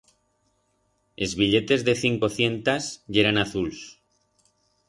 Es billetes de cincocientas yeran azuls.